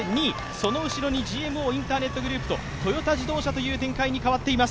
その後ろにＧＭＯインターネットグループとトヨタ自動車という展開に変わっています。